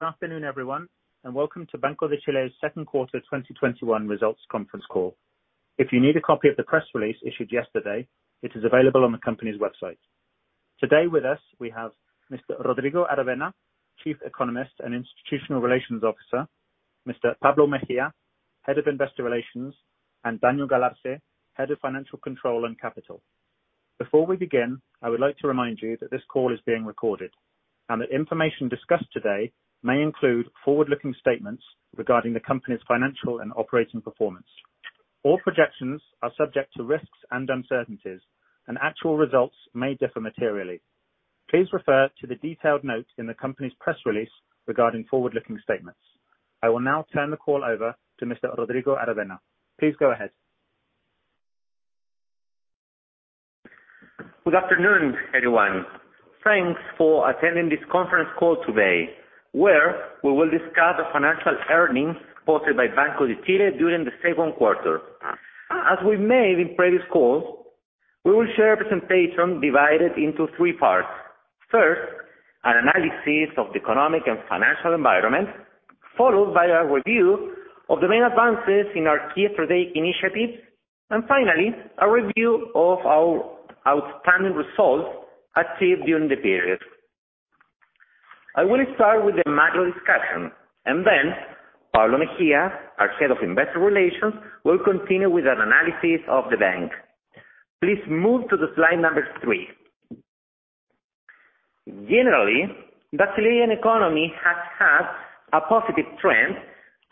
Good afternoon, everyone, and welcome to Banco de Chile's second quarter 2021 results conference call. If you need a copy of the press release issued yesterday, it is available on the company's website. Today with us, we have Mr. Rodrigo Aravena, Chief Economist and Institutional Relations Officer, Mr. Pablo Mejia, Head of Investor Relations, and Daniel Galarce, Head of Financial Control and Capital. Before we begin, I would like to remind you that this call is being recorded, and the information discussed today may include forward-looking statements regarding the company's financial and operating performance. All projections are subject to risks and uncertainties, and actual results may differ materially. Please refer to the detailed note in the company's press release regarding forward-looking statements. I will now turn the call over to Mr. Rodrigo Aravena. Please go ahead. Good afternoon, everyone. Thanks for attending this conference call today, where we will discuss the financial earnings posted by Banco de Chile during the second quarter. As we made in previous calls, we will share a presentation divided into three parts. First, an analysis of the economic and financial environment, followed by a review of the main advances in our key strategic initiatives, and finally, a review of our outstanding results achieved during the period. I will start with the macro discussion, and then Pablo Mejia, our Head of Investor Relations, will continue with an analysis of the bank. Please move to the slide number three. Generally, the Chilean economy has had a positive trend,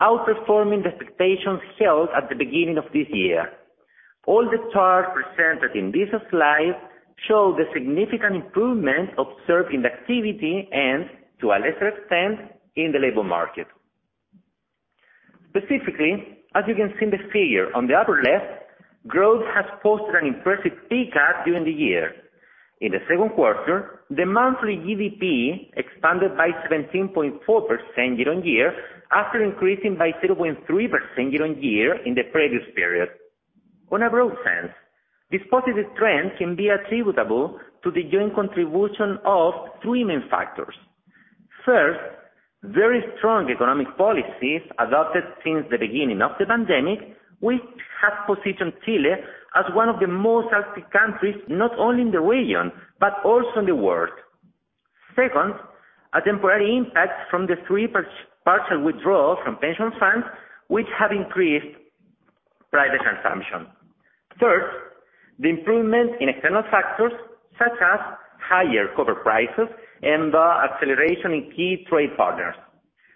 outperforming the expectations held at the beginning of this year. All the charts presented in this slide show the significant improvement observed in the activity and, to a lesser extent, in the labor market. Specifically, as you can see in the figure on the upper left, growth has posted an impressive peak out during the year. In the second quarter, the monthly GDP expanded by 17.4% year-on-year after increasing by 3.3% year-on-year in the previous period. On a broad sense, this positive trend can be attributable to the joint contribution of three main factors. First, very strong economic policies adopted since the beginning of the pandemic, which have positioned Chile as one of the most healthy countries, not only in the region but also in the world. Second, a temporary impact from the three partial withdrawals from pension funds, which have increased private consumption. Third, the improvement in external factors such as higher copper prices and the acceleration in key trade partners.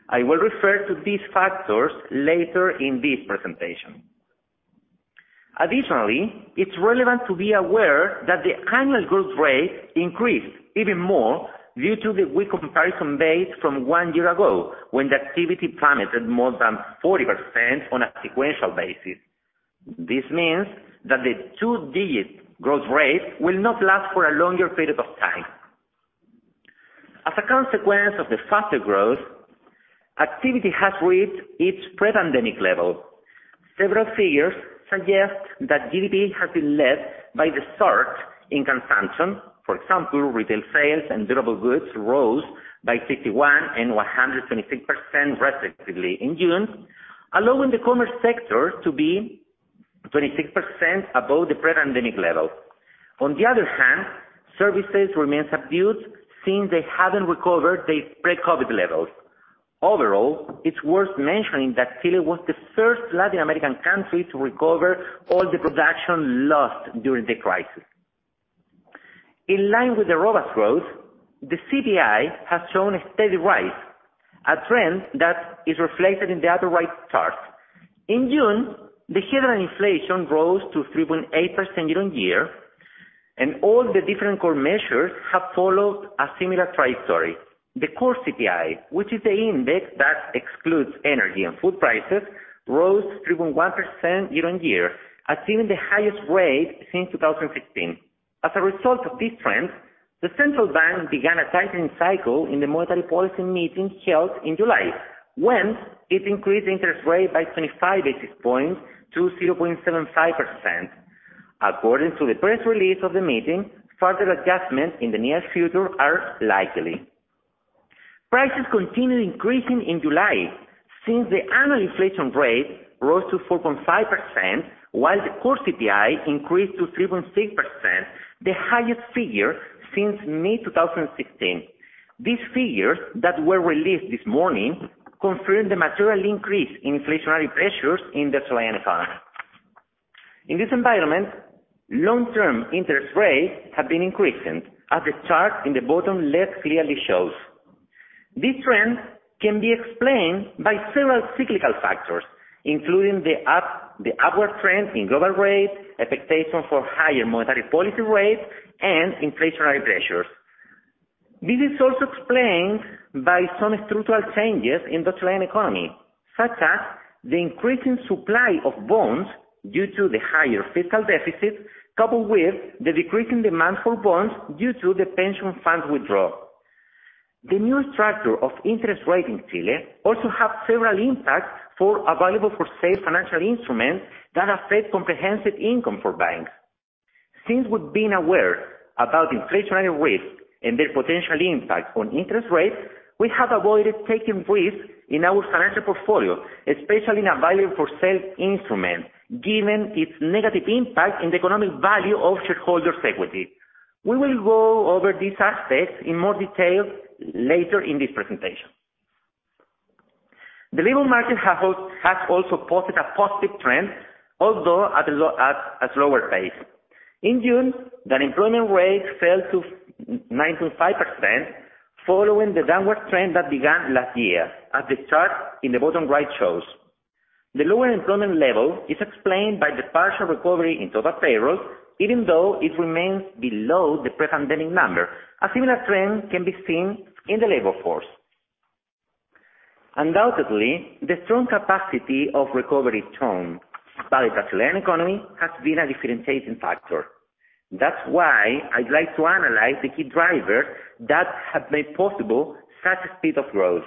I will refer to these factors later in this presentation. It's relevant to be aware that the annual growth rate increased even more due to the weak comparison base from one year ago, when the activity plummeted more than 40% on a sequential basis. This means that the two-digit growth rate will not last for a longer period of time. As a consequence of the faster growth, activity has reached its pre-pandemic level. Several figures suggest that GDP has been led by the surge in consumption. For example, retail sales and durable goods rose by 51% and 126% respectively in June, allowing the commerce sector to be 26% above the pre-pandemic level. Services remain subdued since they haven't recovered their pre-COVID levels. It's worth mentioning that Chile was the first Latin American country to recover all the production lost during the crisis. In line with the robust growth, the CPI has shown a steady rise, a trend that is reflected in the upper right chart. In June, the year-on-year inflation rose to 3.8% year-on-year, and all the different core measures have followed a similar trajectory. The core CPI, which is the index that excludes energy and food prices, rose 3.1% year-on-year, achieving the highest rate since 2015. As a result of this trend, the central bank began a tightening cycle in the monetary policy meeting held in July, when it increased the interest rate by 25 basis points to 0.75%. According to the press release of the meeting, further adjustments in the near future are likely. Prices continued increasing in July, since the annual inflation rate rose to 4.5%, while the core CPI increased to 3.6%, the highest figure since May 2016. These figures that were released this morning confirm the material increase in inflationary pressures in the Chilean economy. In this environment, long-term interest rates have been increasing, as the chart in the bottom left clearly shows. This trend can be explained by several cyclical factors, including the upward trend in global rates, expectations for higher monetary policy rates, and inflationary pressures. This is also explained by some structural changes in the Chilean economy, such as the increasing supply of bonds due to the higher fiscal deficits, coupled with the decreasing demand for bonds due to the pension funds withdrawal. The new structure of interest rates in Chile also have several impacts for available for sale financial instruments that affect comprehensive income for banks. Since we've been aware about inflationary risks and their potential impact on interest rates, we have avoided taking risks in our financial portfolio, especially in an available-for-sale instrument, given its negative impact on the economic value of shareholders' equity. We will go over these aspects in more detail later in this presentation. The labor market has also posted a positive trend, although at a slower pace. In June, the unemployment rate fell to 9.5%, following the downward trend that began last year, as the chart in the bottom right shows. The lower employment level is explained by the partial recovery in total payroll, even though it remains below the pre-pandemic number. A similar trend can be seen in the labor force. Undoubtedly, the strong capacity of recovery tone by the Chilean economy has been a differentiating factor. That's why I'd like to analyze the key drivers that have made possible such a speed of growth.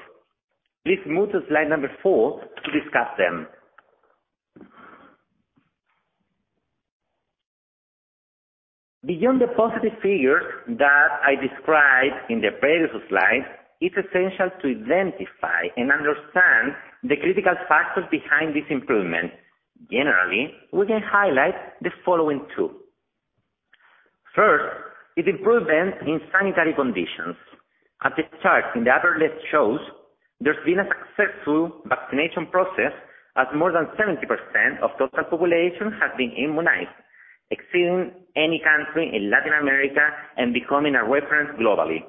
Please move to slide number 4 to discuss them. Beyond the positive figures that I described in the previous slide, it's essential to identify and understand the critical factors behind this improvement. Generally, we can highlight the following two. First, is improvement in sanitary conditions. As the chart in the upper left shows, there's been a successful vaccination process as more than 70% of total population has been immunized, exceeding any country in Latin America and becoming a reference globally.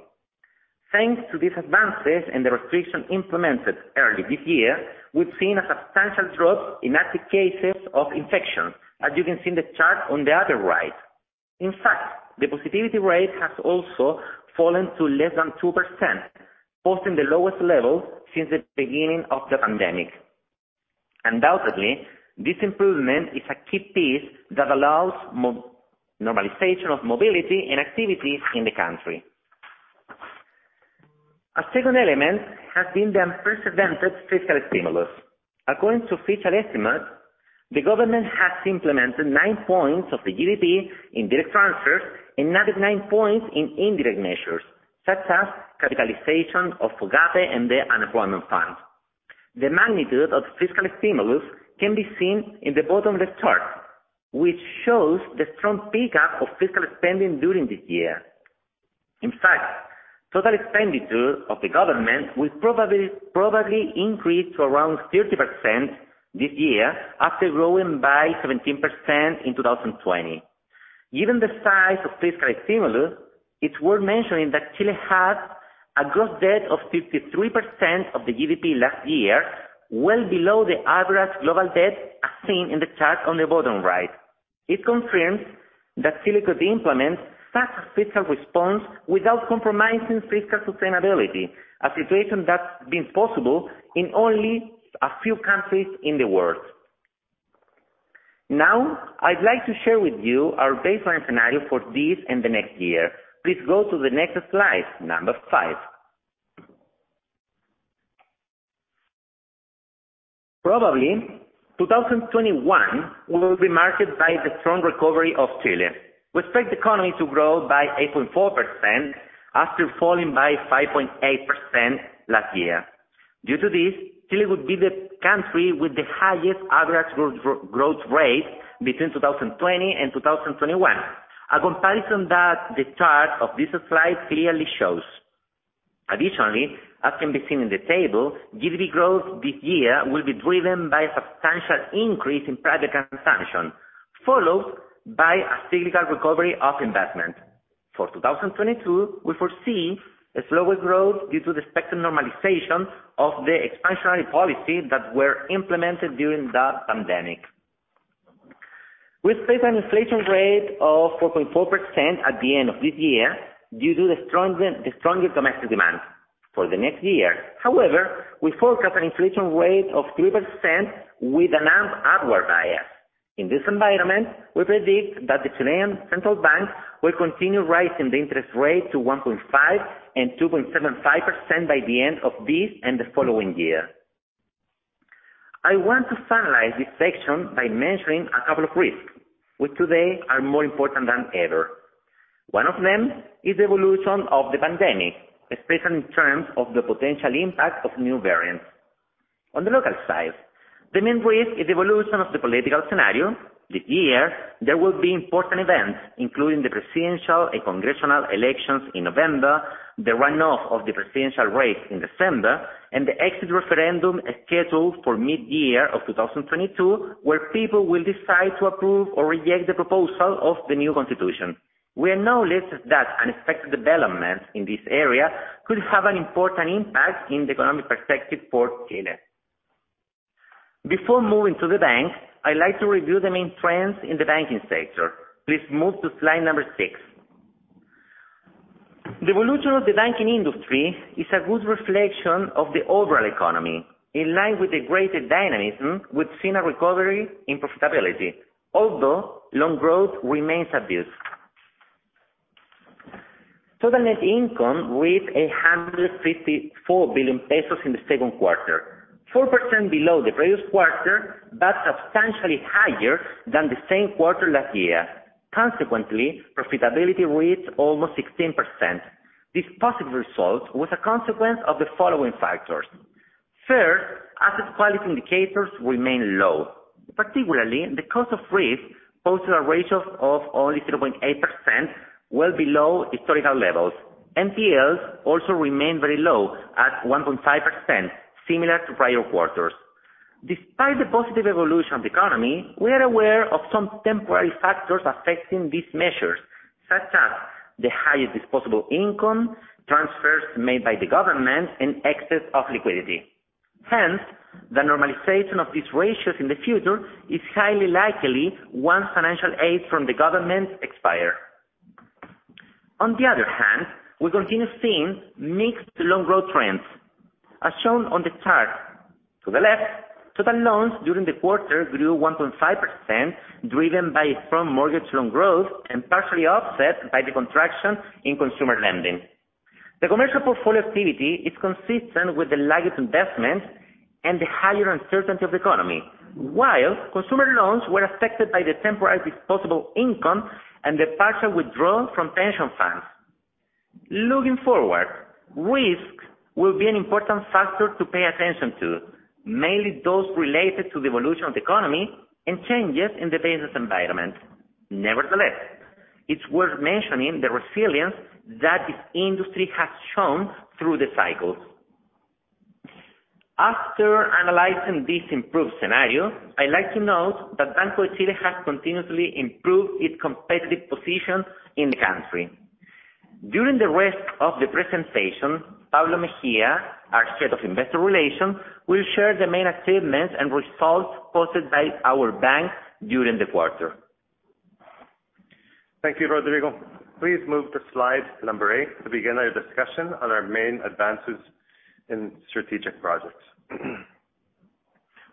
Thanks to these advances and the restrictions implemented early this year, we've seen a substantial drop in active cases of infection, as you can see in the chart on the upper right. In fact, the positivity rate has also fallen to less than 2%, posting the lowest levels since the beginning of the pandemic. Undoubtedly, this improvement is a key piece that allows normalization of mobility and activities in the country. A second element has been the unprecedented fiscal stimulus. According to official estimates, the government has implemented 9 points of the GDP in direct transfers and another 9 points in indirect measures, such as capitalization of FOGAPE and the unemployment fund. The magnitude of fiscal stimulus can be seen in the bottom left chart, which shows the strong pickup of fiscal spending during this year. In fact, total expenditure of the government will probably increase to around 30% this year after growing by 17% in 2020. Given the size of fiscal stimulus, it's worth mentioning that Chile had a gross debt of 53% of the GDP last year, well below the average global debt, as seen in the chart on the bottom right. It confirms that Chile could implement such a fiscal response without compromising fiscal sustainability, a situation that's been possible in only a few countries in the world. I'd like to share with you our baseline scenario for this and the next year. Please go to the next slide, number 5. Probably, 2021 will be marked by the strong recovery of Chile. We expect the economy to grow by 8.4% after falling by 5.8% last year. Due to this, Chile will be the country with the highest average growth rate between 2020 and 2021, a comparison that the chart of this slide clearly shows. Additionally, as can be seen in the table, GDP growth this year will be driven by a substantial increase in private consumption, followed by a cyclical recovery of investment. For 2022, we foresee a slower growth due to the expected normalization of the expansionary policy that were implemented during that pandemic. We expect an inflation rate of 4.4% at the end of this year due to the stronger domestic demand. For the next year, however, we forecast an inflation rate of 3% with an upward bias. In this environment, we predict that the Chilean central bank will continue raising the interest rate to 1.5% and 2.75% by the end of this and the following year. I want to finalize this section by mentioning a couple of risks, which today are more important than ever. One of them is the evolution of the pandemic, especially in terms of the potential impact of new variants. On the local side, the main risk is the evolution of the political scenario. This year, there will be important events, including the presidential and congressional elections in November, the runoff of the presidential race in December, and the exit referendum scheduled for mid-year of 2022, where people will decide to approve or reject the proposal of the new constitution. We are no less that unexpected developments in this area could have an important impact in the economic perspective for Chile. Before moving to the bank, I'd like to review the main trends in the banking sector. Please move to slide number 6. The evolution of the banking industry is a good reflection of the overall economy. In line with the greater dynamism, we've seen a recovery in profitability. Although loan growth remains robust. Total net income reached 154 billion pesos in the second quarter, 4% below the previous quarter, but substantially higher than the same quarter last year. Consequently, profitability reached almost 16%. This positive result was a consequence of the following factors. First, asset quality indicators remain low. Particularly, the cost of risk posted a ratio of only 3.8%, well below historical levels. NPLs also remain very low at 1.5%, similar to prior quarters. Despite the positive evolution of the economy, we are aware of some temporary factors affecting these measures, such as: the highest disposable income, transfers made by the government, and excess of liquidity. The normalization of these ratios in the future is highly likely once financial aid from the government expire. We continue seeing mixed loan growth trends, as shown on the chart to the left. Total loans during the quarter grew 1.5%, driven by strong mortgage loan growth and partially offset by the contraction in consumer loans. The commercial portfolio activity is consistent with the lagged investments and the higher uncertainty of the economy, while consumer loans were affected by the temporary disposable income and the partial withdrawal from pension funds. Looking forward, risk will be an important factor to pay attention to, mainly those related to the evolution of the economy and changes in the business environment. Nevertheless, it's worth mentioning the resilience that this industry has shown through the cycles. After analyzing this improved scenario, I'd like to note that Banco de Chile has continuously improved its competitive position in the country. During the rest of the presentation, Pablo Mejia, our Head of Investor Relations, will share the main achievements and results posted by our bank during the quarter. Thank you, Rodrigo. Please move to slide number 8 to begin our discussion on our main advances in strategic projects.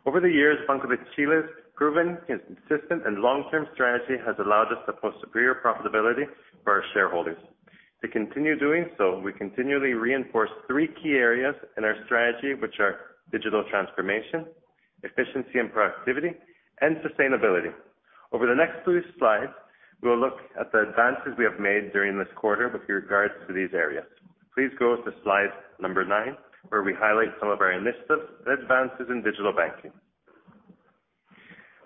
Over the years, Banco de Chile's proven its consistent and long-term strategy has allowed us to post superior profitability for our shareholders. To continue doing so, we continually reinforce three key areas in our strategy, which are digital transformation, efficiency and productivity, and sustainability. Over the next few slides, we will look at the advances we have made during this quarter with regards to these areas. Please go to slide number 9, where we highlight some of our initiatives and advances in digital banking.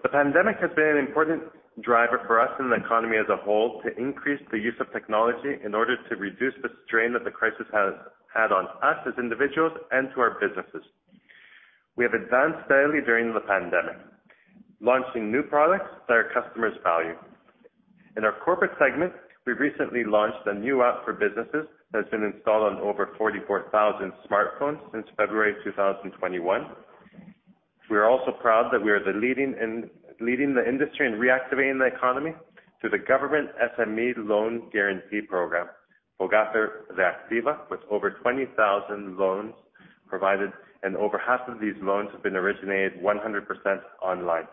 The pandemic has been an important driver for us and the economy as a whole to increase the use of technology in order to reduce the strain that the crisis has had on us as individuals and to our businesses. We have advanced daily during the pandemic, launching new products that our customers value. In our corporate segment, we recently launched a new app for businesses that has been installed on over 44,000 smartphones since February 2021. We are also proud that we are leading the industry in reactivating the economy through the government SME loan guarantee program, FOGAPE Reactiva, with over 20,000 loans provided, and over half of these loans have been originated 100% online.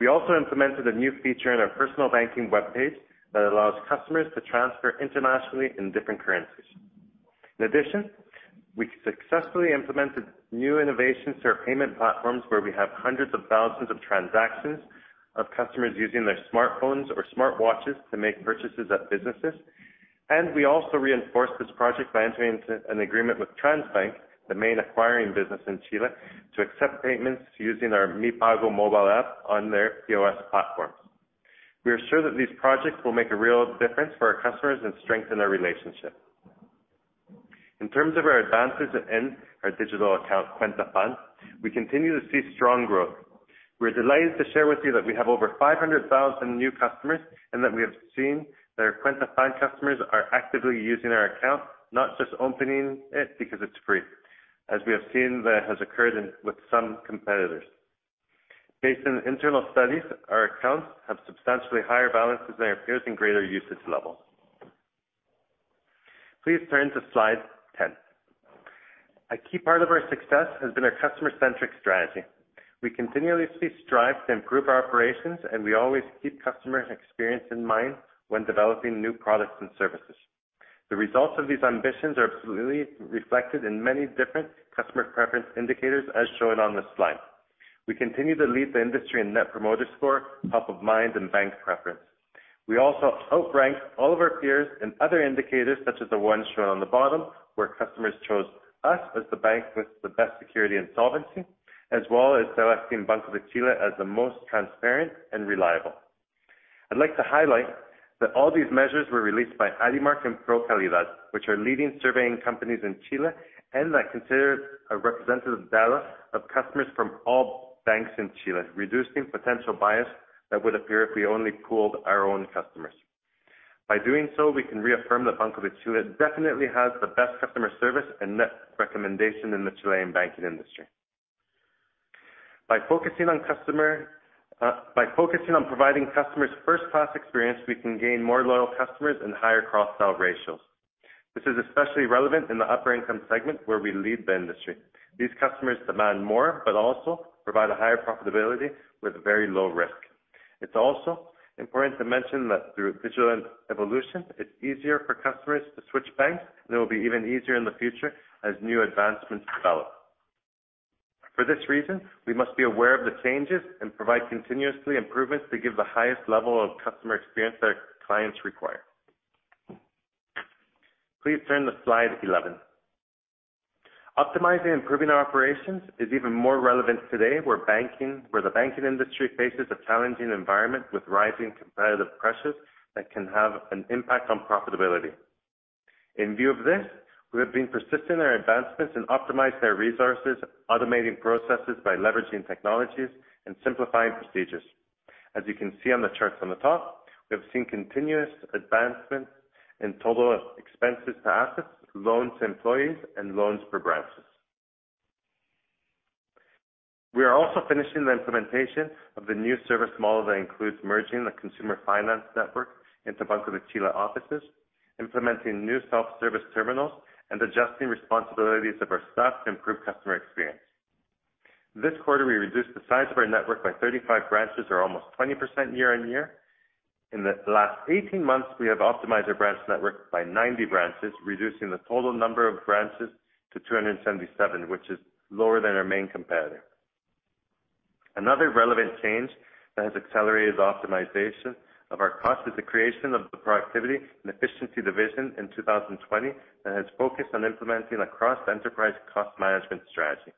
We also implemented a new feature in our personal banking web page that allows customers to transfer internationally in different currencies. In addition, we successfully implemented new innovations to our payment platforms where we have hundreds of thousands of transactions of customers using their smartphones or smartwatches to make purchases at businesses. We also reinforced this project by entering into an agreement with Transbank, the main acquiring business in Chile, to accept payments using our Mi Pago mobile app on their POS platforms. We are sure that these projects will make a real difference for our customers and strengthen our relationship. In terms of our advances in our digital account, Cuenta FAN, we continue to see strong growth. We're delighted to share with you that we have over 500,000 new customers, and that we have seen that our Cuenta FAN customers are actively using our account, not just opening it because it's free, as we have seen that has occurred with some competitors. Based on internal studies, our accounts have substantially higher balances than our peers and greater usage levels. Please turn to slide 10. A key part of our success has been our customer-centric strategy. We continually strive to improve our operations, and we always keep customer experience in mind when developing new products and services. The results of these ambitions are absolutely reflected in many different customer preference indicators, as shown on this slide. We continue to lead the industry in net promoter score, top of mind, and bank preference. We also outrank all of our peers in other indicators, such as the ones shown on the bottom, where customers chose us as the bank with the best security and solvency, as well as selecting Banco de Chile as the most transparent and reliable. I'd like to highlight that all these measures were released by Adimark and PROCALIDAD, which are leading surveying companies in Chile, and that consider a representative data of customers from all banks in Chile, reducing potential bias that would appear if we only polled our own customers. By doing so, we can reaffirm that Banco de Chile definitely has the best customer service and net promoter score in the Chilean banking industry. By focusing on providing customers first-class experience, we can gain more loyal customers and higher cross-sell ratios. This is especially relevant in the upper-income segment where we lead the industry. These customers demand more, but also provide a higher profitability with very low risk. It's also important to mention that through digital evolution, it's easier for customers to switch banks, and it will be even easier in the future as new advancements develop. For this reason, we must be aware of the changes and provide continuous improvements to give the highest level of customer experience that our clients require. Please turn to slide 11. Optimizing and improving our operations is even more relevant today, where the banking industry faces a challenging environment with rising competitive pressures that can have an impact on profitability. In view of this, we have been persisting in our advancements and optimized our resources, automating processes by leveraging technologies and simplifying procedures. As you can see on the charts on the top, we have seen continuous advancement in total expenses to assets, loans to employees, and loans per branches. We are also finishing the implementation of the new service model that includes merging the consumer finance network into Banco de Chile offices, implementing new self-service terminals, and adjusting responsibilities of our staff to improve customer experience. This quarter, we reduced the size of our network by 35 branches or almost 20% year-on-year. In the last 18 months, we have optimized our branch network by 90 branches, reducing the total number of branches to 277, which is lower than our main competitor. Another relevant change that has accelerated the optimization of our cost is the creation of the Productivity and Efficiency Division in 2020 that has focused on implementing a cross-enterprise cost management strategy.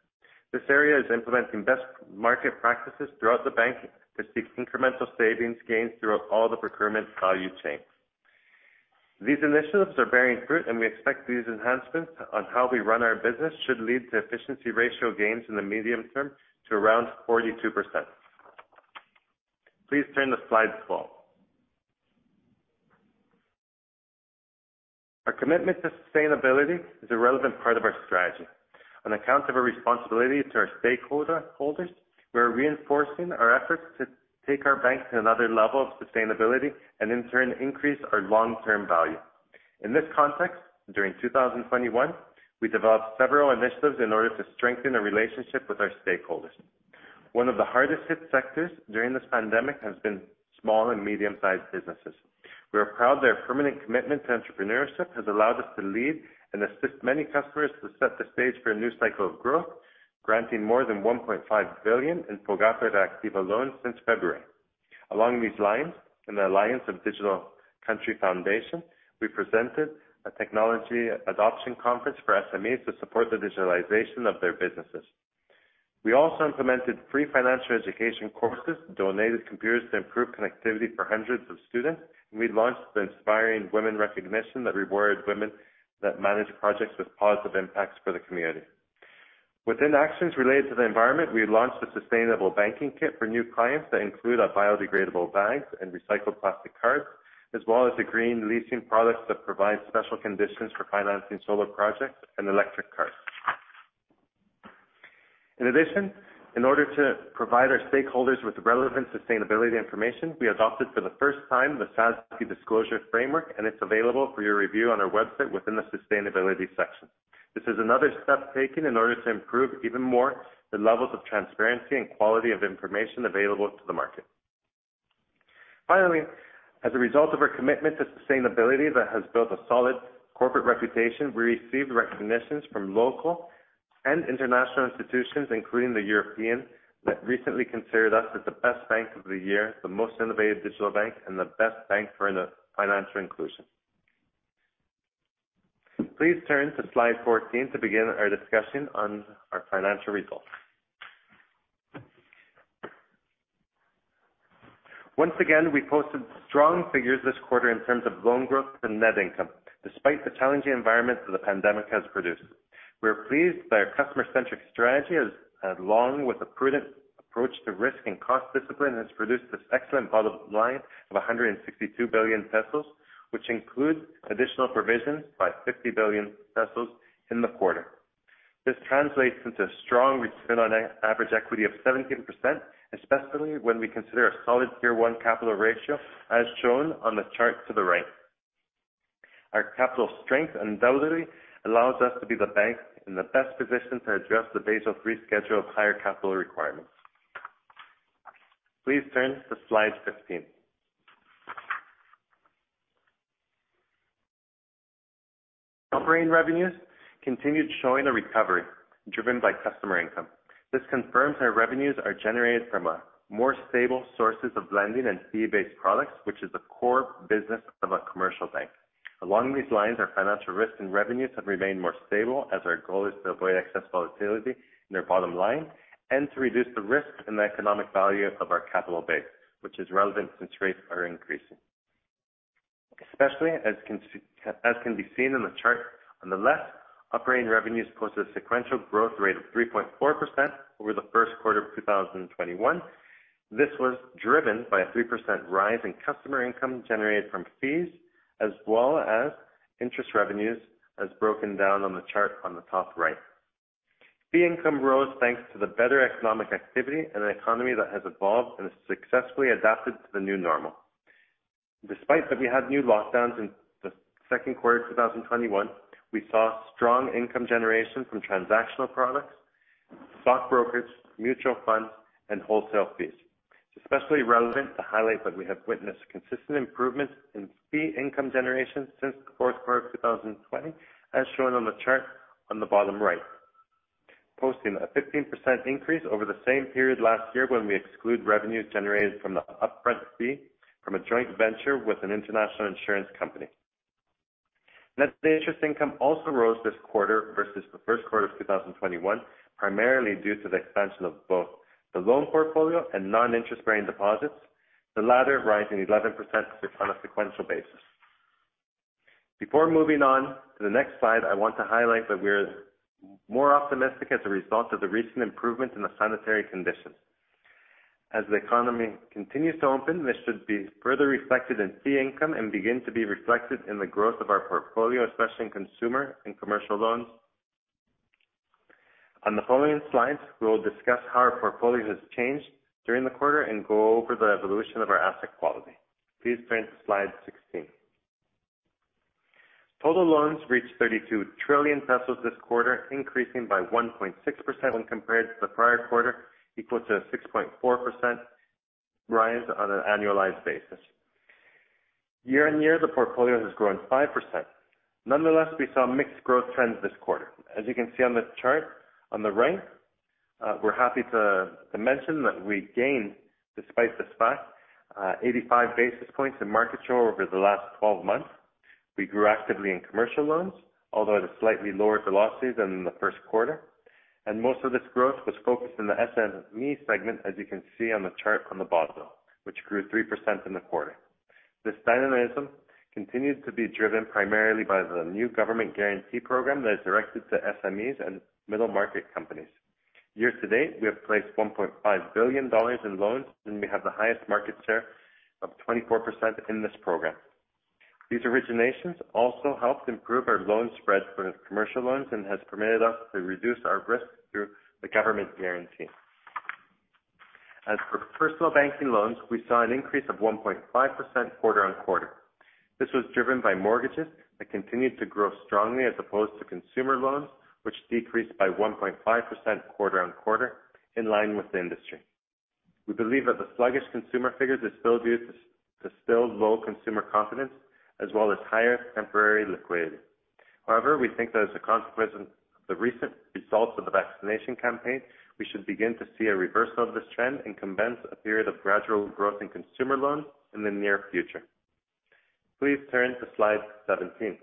This area is implementing best market practices throughout the bank to seek incremental savings gains throughout all the procurement value chains. These initiatives are bearing fruit, we expect these enhancements on how we run our business should lead to efficiency ratio gains in the medium term to around 42%. Please turn to slide 12. Our commitment to sustainability is a relevant part of our strategy. On account of our responsibility to our stakeholders, we are reinforcing our efforts to take our bank to another level of sustainability and in turn, increase our long-term value. In this context, during 2021, we developed several initiatives in order to strengthen our relationship with our stakeholders. One of the hardest hit sectors during this pandemic has been small and medium-sized businesses. We are proud that our permanent commitment to entrepreneurship has allowed us to lead and assist many customers to set the stage for a new cycle of growth, granting more than $1.5 billion in loans since February. Along these lines, in the alliance of Fundación País Digital, we presented a technology adoption conference for SMEs to support the digitalization of their businesses. We also implemented free financial education courses, donated computers to improve connectivity for hundreds of students. We launched the Inspiring Women recognition that rewarded women that managed projects with positive impacts for the community. Within actions related to the environment, we launched a sustainable banking kit for new clients that include our biodegradable bags and recycled plastic cards, as well as the green leasing products that provide special conditions for financing solar projects and electric cars. In addition, in order to provide our stakeholders with relevant sustainability information, we adopted for the first time the SASB Disclosure Framework. It's available for your review on our website within the sustainability section. This is another step taken in order to improve even more the levels of transparency and quality of information available to the market. Finally, as a result of our commitment to sustainability that has built a solid corporate reputation, we received recognitions from local and international institutions, including the Euromoney, that recently considered us as the best bank of the year, the most innovative digital bank and the best bank for financial inclusion. Please turn to slide 14 to begin our discussion on our financial results. Once again, we posted strong figures this quarter in terms of loan growth and net income, despite the challenging environment that the pandemic has produced. We are pleased that our customer-centric strategy, along with a prudent approach to risk and cost discipline, has produced this excellent bottom line of 162 billion pesos, which includes additional provisions by 50 billion pesos in the quarter. This translates into a strong return on average equity of 17%, especially when we consider a solid Tier 1 capital ratio, as shown on the chart to the right. Our capital strength undoubtedly allows us to be the bank in the best position to address the Basel III schedule of higher capital requirements. Please turn to slide 15. Operating revenues continued showing a recovery driven by customer income. This confirms our revenues are generated from more stable sources of lending and fee-based products, which is the core business of a commercial bank. Along these lines, our financial risk and revenues have remained more stable as our goal is to avoid excess volatility in our bottom line and to reduce the risk and the economic value of our capital base, which is relevant since rates are increasing. Especially as can be seen in the chart on the left, operating revenues posted a sequential growth rate of 3.4% over the first quarter of 2021. This was driven by a 3% rise in customer income generated from fees as well as interest revenues as broken down on the chart on the top right. Fee income rose thanks to the better economic activity and an economy that has evolved and successfully adapted to the new normal. Despite that we had new lockdowns in the second quarter of 2021, we saw strong income generation from transactional products, stock brokerage, mutual funds, and wholesale fees. It's especially relevant to highlight that we have witnessed consistent improvements in fee income generation since the fourth quarter of 2020, as shown on the chart on the bottom right, posting a 15% increase over the same period last year when we exclude revenues generated from the upfront fee from a joint venture with an international insurance company. Net interest income also rose this quarter versus the first quarter of 2021, primarily due to the expansion of both the loan portfolio and non-interest-bearing deposits, the latter rising 11% on a sequential basis. Before moving on to the next slide, I want to highlight that we are more optimistic as a result of the recent improvements in the sanitary conditions. As the economy continues to open, this should be further reflected in fee income and begin to be reflected in the growth of our portfolio, especially in consumer and commercial loans. On the following slides, we will discuss how our portfolio has changed during the quarter and go over the evolution of our asset quality. Please turn to slide 16. Total loans reached 32 trillion pesos this quarter, increasing by 1.6% when compared to the prior quarter, equal to a 6.4% rise on an annualized basis. Year-on-year, the portfolio has grown 5%. Nonetheless, we saw mixed growth trends this quarter. As you can see on the chart on the right, we're happy to mention that we gained, despite this fact, 85 basis points in market share over the last 12 months. We grew actively in commercial loans, although at a slightly lower velocity than in the first quarter, and most of this growth was focused in the SME segment, as you can see on the chart on the bottom, which grew 3% in the quarter. This dynamism continues to be driven primarily by the new government guarantee program that is directed to SMEs and middle market companies. Year-to-date, we have placed $1.5 billion in loans, and we have the highest market share of 24% in this program. These originations also helped improve our loan spread for commercial loans and has permitted us to reduce our risk through the government guarantee. As for personal banking loans, we saw an increase of 1.5% quarter-on-quarter. This was driven by mortgages that continued to grow strongly, as opposed to consumer loans, which decreased by 1.5% quarter-on-quarter, in line with the industry. We believe that the sluggish consumer figures are still due to still low consumer confidence as well as higher temporary liquidity. However, we think that as a consequence of the recent results of the vaccination campaign, we should begin to see a reversal of this trend and commence a period of gradual growth in consumer loans in the near future. Please turn to slide 17.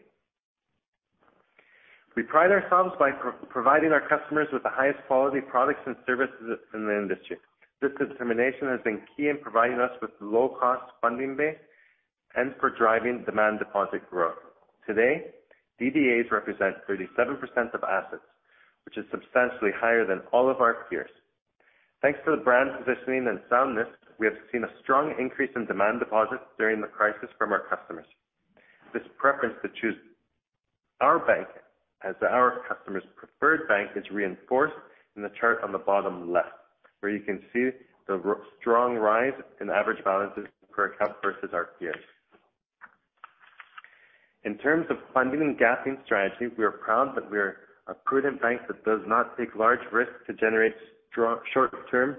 We pride ourselves by providing our customers with the highest quality products and services in the industry. This determination has been key in providing us with low-cost funding base and for driving demand deposit growth. Today, DDAs represent 37% of assets, which is substantially higher than all of our peers. Thanks to the brand positioning and soundness, we have seen a strong increase in demand deposits during the crisis from our customers. This preference to choose our bank as our customers' preferred bank is reinforced in the chart on the bottom left, where you can see the strong rise in average balances per cap versus our peers. In terms of funding and gapping strategy, we are proud that we are a prudent bank that does not take large risks to generate short-term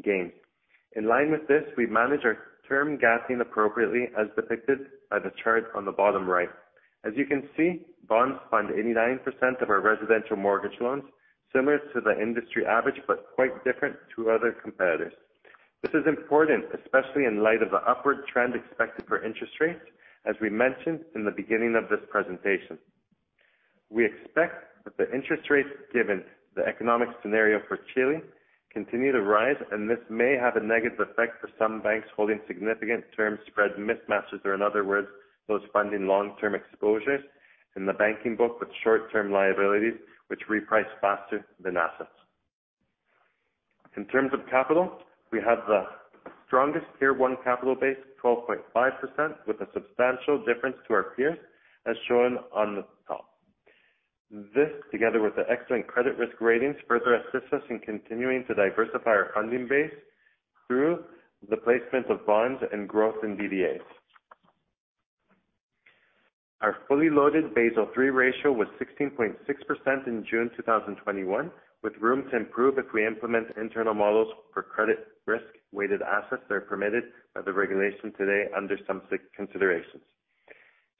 gains. In line with this, we manage our term gapping appropriately, as depicted by the chart on the bottom right. As you can see, bonds fund 89% of our residential mortgage loans, similar to the industry average, but quite different to other competitors. This is important, especially in light of the upward trend expected for interest rates, as we mentioned in the beginning of this presentation. We expect that the interest rates, given the economic scenario for Chile, continue to rise, and this may have a negative effect for some banks holding significant term spread mismatches or, in other words, those funding long-term exposures in the banking book with short-term liabilities, which reprice faster than assets. In terms of capital, we have the strongest Tier 1 capital base, 12.5%, with a substantial difference to our peers, as shown on the top. This, together with the excellent credit risk ratings, further assists us in continuing to diversify our funding base through the placement of bonds and growth in DDAs. Our fully loaded Basel III ratio was 16.6% in June 2021, with room to improve if we implement internal models for credit risk weighted assets that are permitted by the regulation today under some considerations.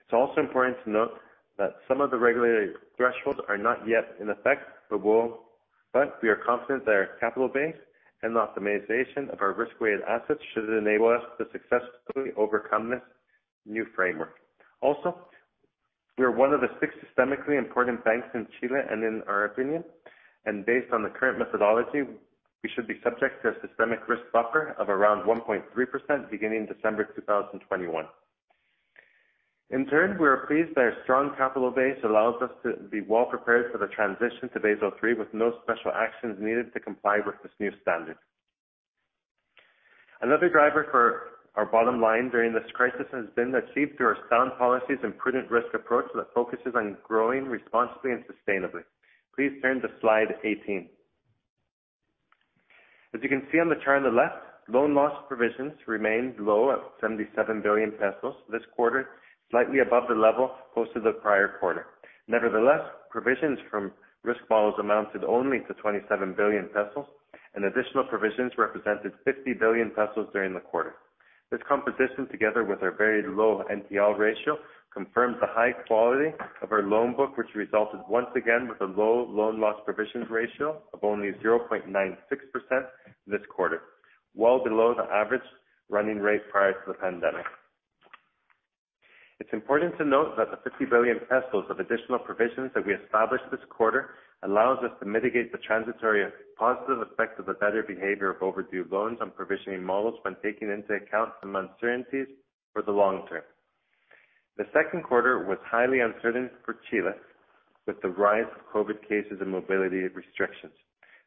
It's also important to note that some of the regulated thresholds are not yet in effect, but we are confident that our capital base and the optimization of our risk-weighted assets should enable us to successfully overcome this new framework. Also, we are one of the six systemically important banks in Chile and in our opinion, and based on the current methodology, we should be subject to a systemic risk buffer of around 1.3% beginning December 2021. In turn, we are pleased that our strong capital base allows us to be well prepared for the transition to Basel III with no special actions needed to comply with this new standard. Another driver for our bottom line during this crisis has been achieved through our sound policies and prudent risk approach that focuses on growing responsibly and sustainably. Please turn to slide 18. As you can see on the chart on the left, loan loss provisions remained low at 77 billion pesos this quarter, slightly above the level posted the prior quarter. Nevertheless, provisions from risk models amounted only to 27 billion pesos, and additional provisions represented 50 billion pesos during the quarter. This composition, together with our very low NPL ratio, confirms the high quality of our loan book, which resulted once again with a low loan loss provisions ratio of only 0.96% this quarter, well below the average running rate prior to the pandemic. It is important to note that the 50 billion pesos of additional provisions that we established this quarter allows us to mitigate the transitory positive effect of a better behavior of overdue loans on provisioning models when taking into account some uncertainties for the long term. The second quarter was highly uncertain for Chile, with the rise of COVID cases and mobility restrictions.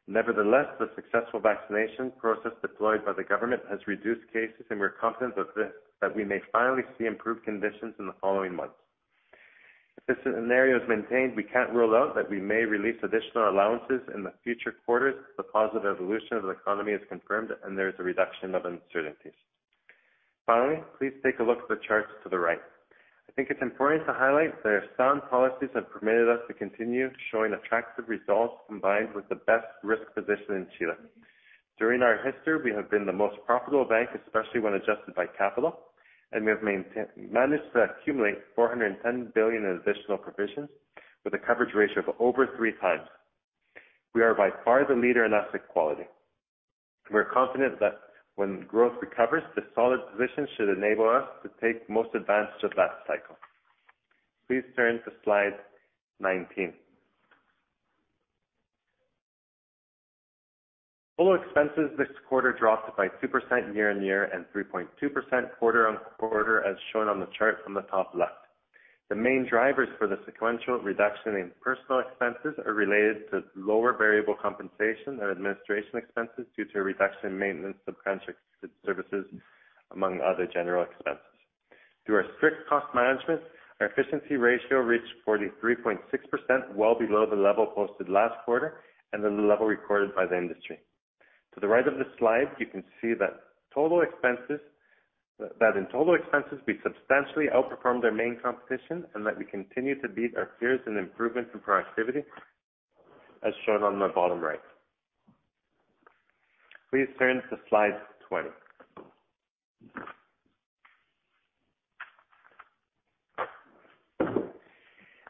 The successful vaccination process deployed by the government has reduced cases, and we're confident that we may finally see improved conditions in the following months. If this scenario is maintained, we can't rule out that we may release additional allowances in the future quarters if the positive evolution of the economy is confirmed and there is a reduction of uncertainties. Please take a look at the charts to the right. I think it's important to highlight that our sound policies have permitted us to continue showing attractive results combined with the best risk position in Chile. During our history, we have been the most profitable bank, especially when adjusted by capital, and we have managed to accumulate 410 billion in additional provisions with a coverage ratio of over three times. We are by far the leader in asset quality. We are confident that when growth recovers, this solid position should enable us to take most advantage of that cycle. Please turn to slide 19. Total expenses this quarter dropped by 2% year on year and 3.2% quarter on quarter, as shown on the chart from the top left. The main drivers for the sequential reduction in personal expenses are related to lower variable compensation and administration expenses due to a reduction in maintenance of contracted services, among other general expenses. Through our strict cost management, our efficiency ratio reached 43.6%, well below the level posted last quarter and than the level recorded by the industry. To the right of the slide, you can see that in total expenses, we substantially outperformed our main competition and that we continue to beat our peers in improvement in productivity, as shown on the bottom right. Please turn to slide 20.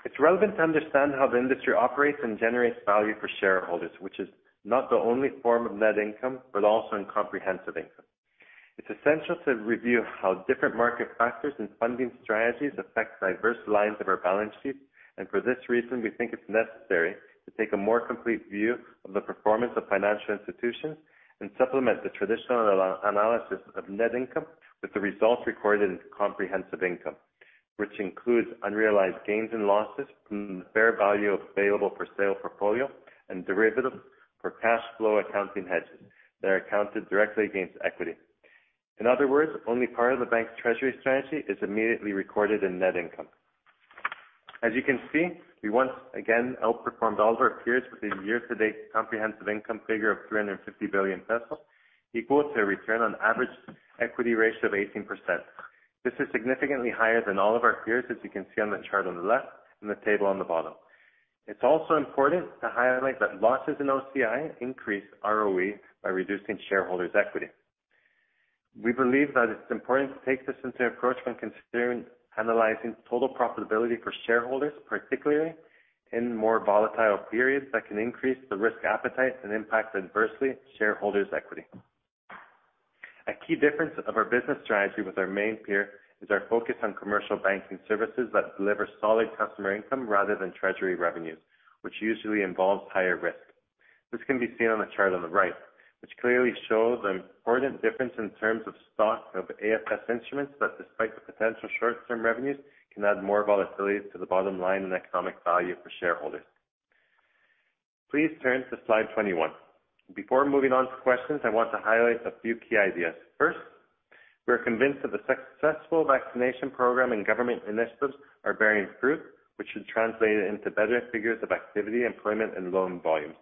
It's relevant to understand how the industry operates and generates value for shareholders, which is not the only form of net income, but also in comprehensive income. It's essential to review how different market factors and funding strategies affect diverse lines of our balance sheet, and for this reason, we think it's necessary to take a more complete view of the performance of financial institutions and supplement the traditional analysis of net income with the results recorded into comprehensive income. Which includes unrealized gains and losses from the fair value of available for sale portfolio and derivative for cash flow accounting hedges that are accounted directly against equity. In other words, only part of the bank's treasury strategy is immediately recorded in net income. As you can see, we once again outperformed all of our peers with a year-to-date comprehensive income figure of 350 billion pesos, equal to a return on average equity ratio of 18%. This is significantly higher than all of our peers, as you can see on the chart on the left and the table on the bottom. It's also important to highlight that losses in OCI increase ROE by reducing shareholders' equity. We believe that it's important to take this into approach when considering analyzing total profitability for shareholders, particularly in more volatile periods that can increase the risk appetite and impact adversely shareholders' equity. A key difference of our business strategy with our main peer is our focus on commercial banking services that deliver solid customer income rather than treasury revenues, which usually involves higher risk. This can be seen on the chart on the right, which clearly shows an important difference in terms of stock of AFS instruments that, despite the potential short-term revenues, can add more volatility to the bottom line and economic value for shareholders. Please turn to slide 21. Before moving on to questions, I want to highlight a few key ideas. First, we are convinced that the successful vaccination program and government initiatives are bearing fruit, which should translate into better figures of activity, employment, and loan volumes.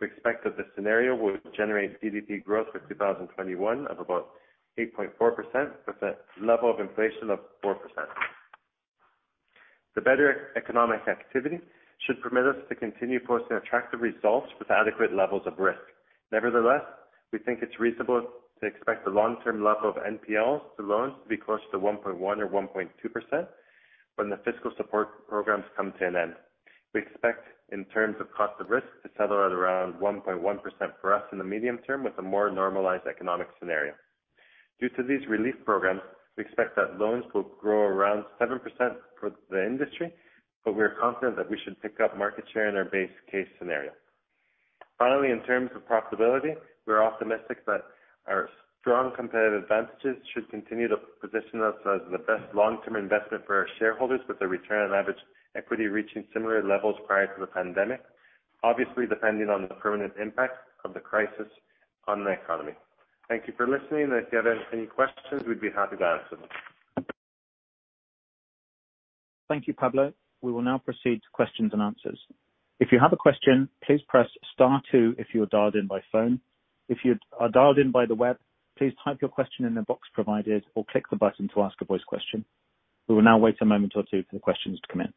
We expect that this scenario will generate GDP growth for 2021 of about 8.4%, with a level of inflation of 4%. The better economic activity should permit us to continue posting attractive results with adequate levels of risk. Nevertheless, we think it's reasonable to expect the long-term level of NPLs to loans to be closer to 1.1% or 1.2% when the fiscal support programs come to an end. We expect, in terms of cost of risk, to settle at around 1.1% for us in the medium term with a more normalized economic scenario. Due to these relief programs, we expect that loans will grow around 7% for the industry, but we are confident that we should pick up market share in our base case scenario. Finally, in terms of profitability, we are optimistic that our strong competitive advantages should continue to position us as the best long-term investment for our shareholders with a return on average equity reaching similar levels prior to the pandemic, obviously depending on the permanent impact of the crisis on the economy. Thank you for listening. If you have any questions, we'd be happy to answer them. Thank you, Pablo. We will now proceed to questions and answers. We will now wait a moment or two for the questions to come in.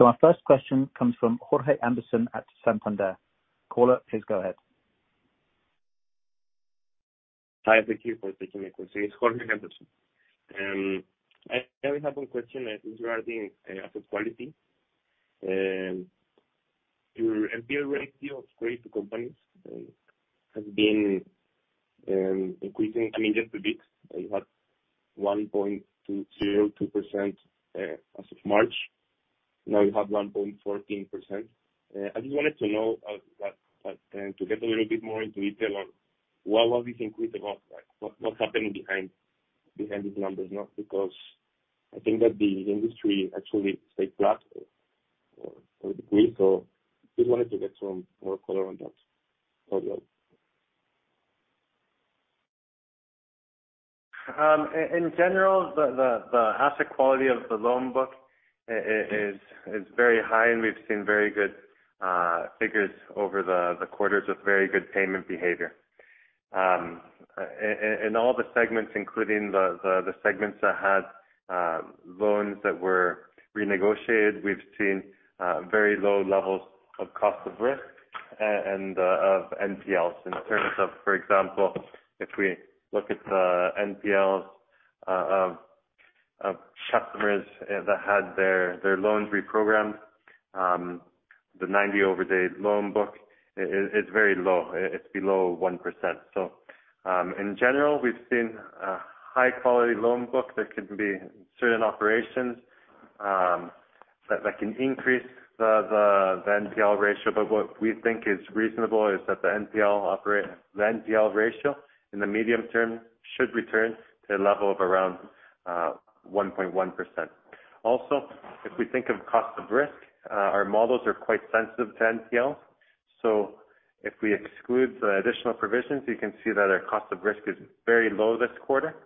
Our first question comes from Jorge Henderson at Santander. Hi, thank you for taking my question. It is Jorge Henderson. I only have one question regarding asset quality. Your NPL ratio of credit to companies has been increasing, just a bit. You had 1.02% as of March. Now you have 1.14%. I just wanted to know, to get a little bit more into detail on what was increased about that. What is happening behind these numbers, because I think that the industry actually stayed flat or decreased. Just wanted to get some more color on that. Pablo Mejia. In general, the asset quality of the loan book is very high, and we've seen very good figures over the quarters with very good payment behavior. In all the segments, including the segments that had loans that were renegotiated, we've seen very low levels of cost of risk and of NPLs. In terms of, for example, if we look at the NPLs of customers that had their loans reprogrammed, the 90-day loan book is very low. It's below 1%. In general, we've seen a high-quality loan book. There could be certain operations that can increase the NPL ratio. What we think is reasonable is that the NPL ratio in the medium term should return to the level of around 1.1%. If we think of cost of risk, our models are quite sensitive to NPL. If we exclude the additional provisions, you can see that our cost of risk is very low this quarter.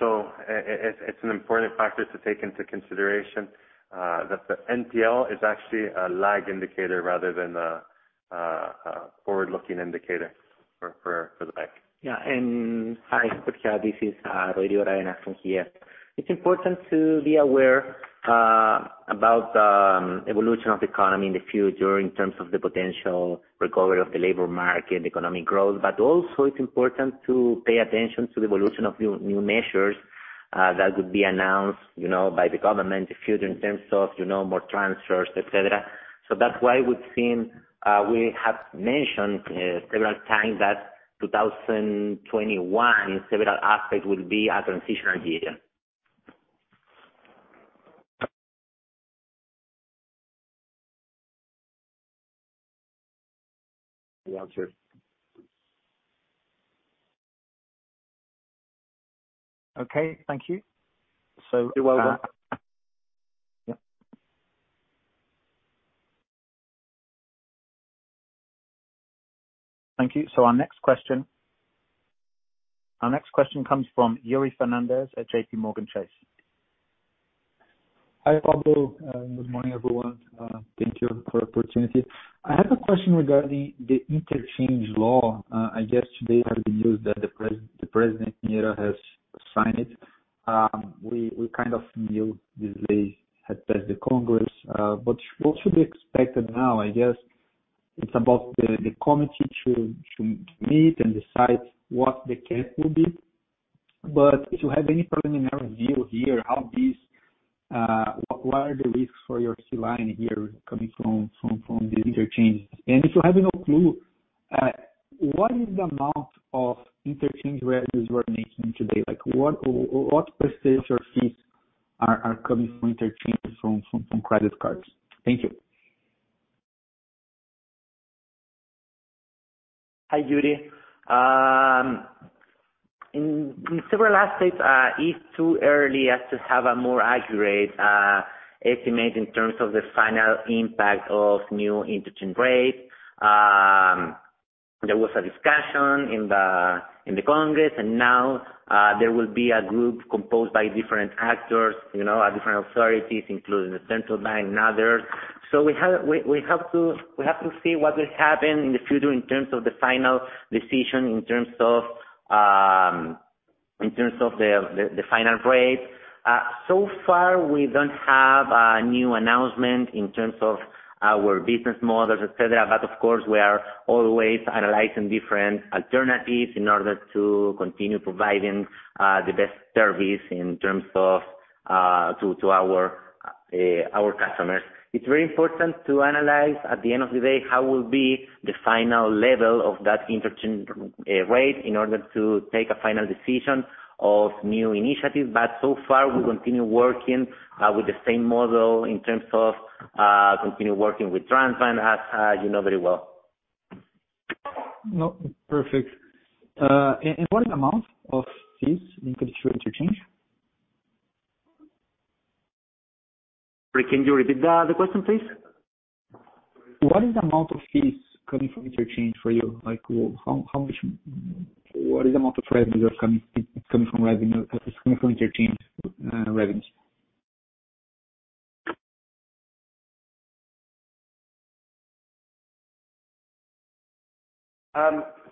It's an important factor to take into consideration, that the NPL is actually a lag indicator rather than a forward-looking indicator for the bank. Yeah. Hi. This is Rodrigo Aravena from here. It's important to be aware about the evolution of the economy in the future in terms of the potential recovery of the labor market, economic growth. Also it's important to pay attention to the evolution of new measures that would be announced by the government, the future in terms of more transfers, et cetera. That's why it would seem, we have mentioned several times that 2021, in several aspects, will be a transitional year. The answer. Okay. Thank you. You're welcome. Yeah. Thank you. Our next question comes from Yuri Fernandes at JPMorgan Chase. Hi, Pablo. Good morning, everyone. Thank you for the opportunity. I have a question regarding the interchange law. I guess today are the news that President Piñera has signed it. We kind of knew this had passed the Congress. What should be expected now? I guess it's about the committee to meet and decide what the cap will be. If you have any preliminary view here, what are the risks for your fee line here coming from the interchange? If you have no clue, what is the amount of interchange revenues we're making today? Like what percetage of fees are coming from interchange from credit cards? Thank you. Hi, Yuri. In several aspects, it's too early as to have a more accurate estimate in terms of the final impact of new interchange rates. There was a discussion in the Congress, now there will be a group composed by different actors, different authorities, including the central bank and others. We have to see what will happen in the future in terms of the final decision, in terms of the final rate. So far, we don't have a new announcement in terms of our business models, et cetera. Of course, we are always analyzing different alternatives in order to continue providing the best service in terms of to our customers. It's very important to analyze, at the end of the day, how will be the final level of that interchange rate in order to take a final decision of new initiatives. So far, we continue working with the same model in terms of continue working with Transbank, as you know very well. No. Perfect. What is the amount of fees in consideration interchange? Can you repeat the question, please? What is the amount of fees coming from interchange for you? What is the amount of revenue that's coming from interchange revenues?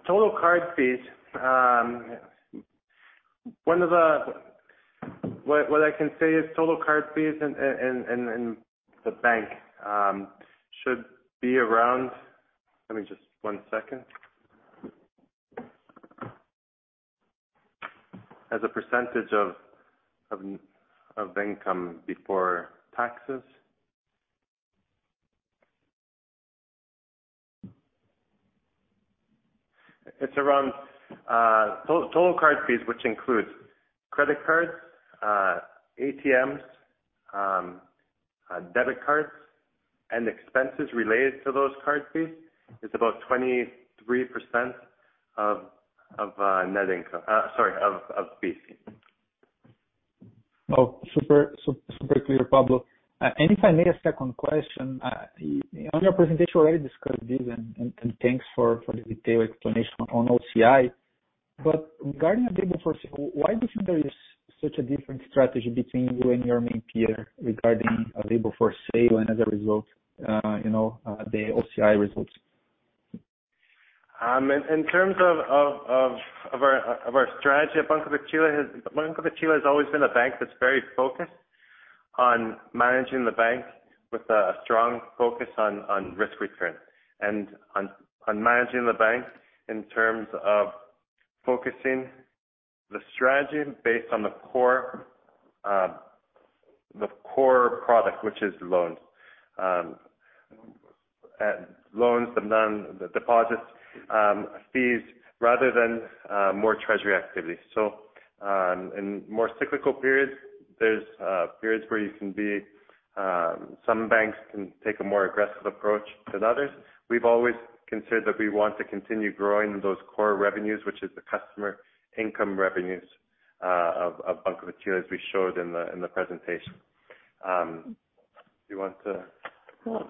Total card fees. What I can say is total card fees in the bank should be around. Let me just one second. As a percentage of income before taxes, it's around total card fees, which includes credit cards, ATMs, debit cards, and expenses related to those card fees, is about 23% of fees. Super clear, Pablo. If I may, a second question. On your presentation, you already discussed this, and thanks for the detailed explanation on OCI. Regarding available for sale, why do you think there is such a different strategy between you and your main peer regarding available for sale and as a result, the OCI results? In terms of our strategy, Banco de Chile has always been a bank that's very focused on managing the bank with a strong focus on risk return, and on managing the bank in terms of focusing the strategy based on the core product, which is loans. Loans, the deposits, fees, rather than more treasury activity. In more cyclical periods, there's periods where some banks can take a more aggressive approach than others. We've always considered that we want to continue growing those core revenues, which is the customer income revenues of Banco de Chile, as we showed in the presentation. Do you want to? Well,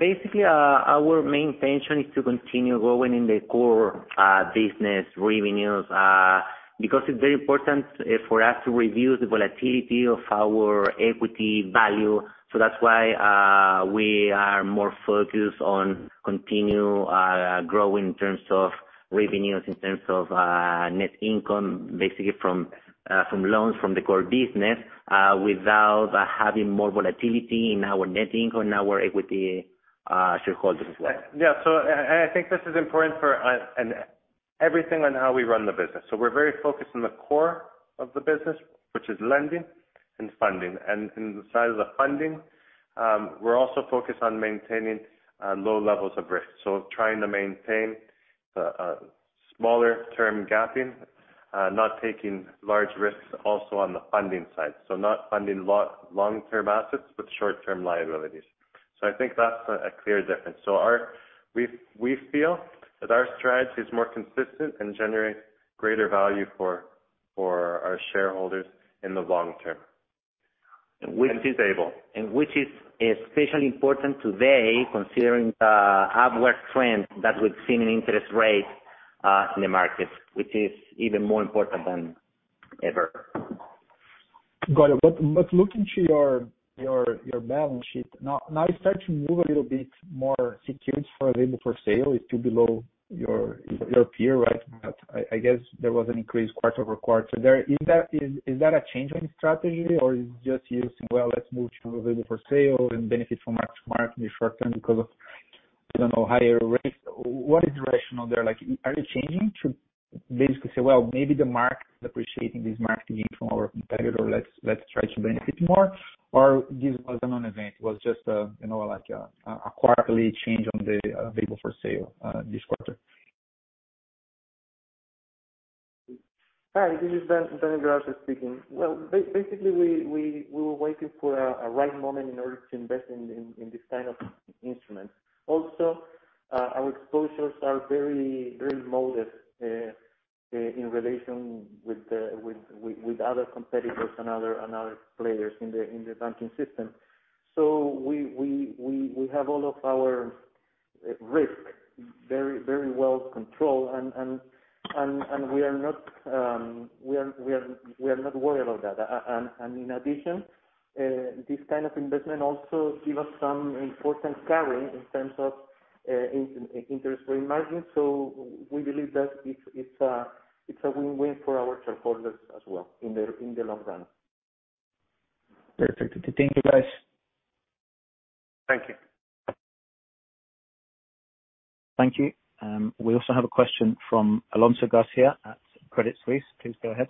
basically, our main intention is to continue growing in the core business revenues, because it is very important for us to reduce the volatility of our equity value. That's why we are more focused on continue growing in terms of revenues, in terms of net income, basically from loans from the core business, without having more volatility in our net income and our equity shareholders as well. Yeah. I think this is important for everything on how we run the business. We're very focused on the core of the business, which is lending and funding. In the side of the funding, we're also focused on maintaining low levels of risk, trying to maintain a smaller term gapping, not taking large risks also on the funding side, not funding long-term assets with short-term liabilities. I think that's a clear difference. We feel that our strategy is more consistent and generates greater value for our shareholders in the long term and sustainable. Which is especially important today considering the upward trend that we've seen in interest rates in the market, which is even more important than ever. Got it. Looking to your balance sheet, now you start to move a little bit more securities for available for sale. It's still below your peer, right? I guess there was an increase quarter-over-quarter. Is that a change in strategy or is it just you saying, "Well, let's move to available for sale and benefit from mark-to-market in the short term because of, I don't know, higher rates." What is the rationale there? Are you changing to basically say, "Well, maybe the market appreciating this mark again from our competitor, let's try to benefit more," or this was a non-event? It was just a quarterly change on the available for sale this quarter. Hi, this is Daniel Galarce speaking. Well, basically, we were waiting for a right moment in order to invest in this kind of instrument. Also, our exposures are very modest in relation with other competitors and other players in the banking system. We have all of our risk very well controlled, and we are not worried about that. In addition, this kind of investment also give us some important carry in terms of interest rate margin. We believe that it's a win-win for our shareholders as well in the long run. Perfect. Thank you, guys. Thank you. Thank you. We also have a question from Alonso Garcia at Credit Suisse. Please go ahead.